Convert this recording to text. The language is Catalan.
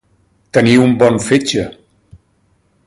Tenir un bon fetge.